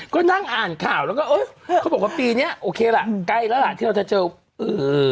ก็นั่งอ่านข่าวแล้วก็เออเขาบอกว่าปีเนี้ยโอเคล่ะใกล้แล้วล่ะที่เราจะเจอเออ